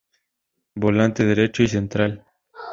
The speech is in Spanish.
Volante derecho y central.